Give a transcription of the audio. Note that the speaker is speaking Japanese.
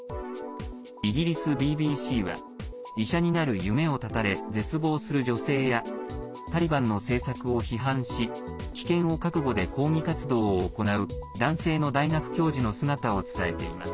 イギリスＢＢＣは医者になる夢を絶たれ、絶望する女性やタリバンの政策を批判し危険を覚悟で抗議活動を行う男性の大学教授の姿を伝えています。